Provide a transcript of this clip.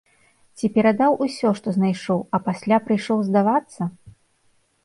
Ці перадаў усё, што знайшоў, а пасля прыйшоў здавацца?